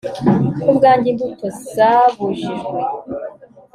Kubwanjye imbuto zabujijwe